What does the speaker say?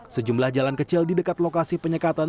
sejumlah jalan kecil di dekat lokasi penyekatan